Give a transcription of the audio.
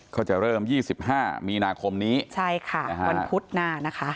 ก็จะเริ่ม๒๕มีนาคมนี้ใช่ค่ะวันพุธหน้านะคะ